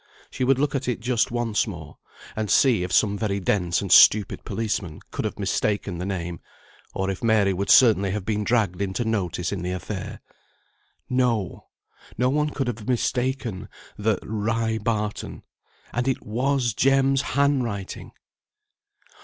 She would look at it just once more, and see if some very dense and stupid policeman could have mistaken the name, or if Mary would certainly have been dragged into notice in the affair. No! no one could have mistaken the "ry Barton," and it was Jem's handwriting!